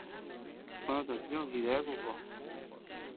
Kued kakioʼöd jideku ko.